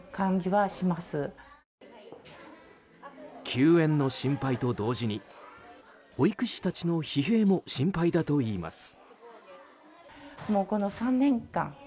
休園の心配と同時に保育士たちの疲弊も心配だといいます。